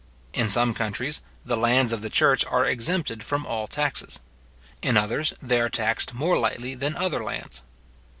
In some countries, the lands of the church are exempted from all taxes. In others, they are taxed more lightly than other lands.